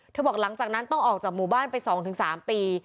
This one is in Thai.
บอกหลังจากนั้นต้องออกจากหมู่บ้านไป๒๓ปี